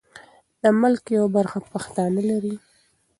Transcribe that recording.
د ملک یوه برخه پښتانه لري.